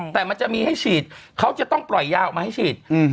แต่มันจะมีให้ฉีดเขาจะต้องปล่อยยาออกมาให้ฉีด